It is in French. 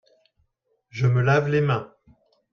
Je me lave les mains.